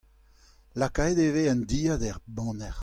Lakaet e vez an dilhad er baner.